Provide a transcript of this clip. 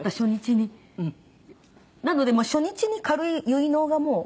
なので初日に軽い結納がもう。